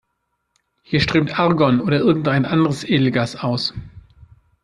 Hier strömt Argon oder irgendein anderes Edelgas aus.